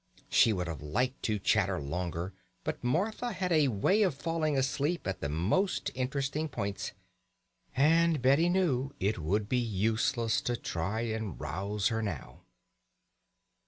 She would have liked to chatter longer, but Martha had a way of falling asleep at the most interesting points, and Betty knew it would be useless to try and rouse her now.